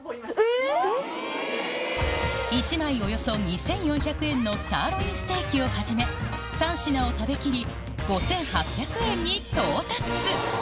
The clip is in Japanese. １枚およそ２４００円のサーロインステーキをはじめ３品を食べきり